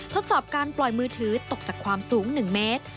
ทดสอบการปล่อยมือถือตกจากความสูง๑เมตร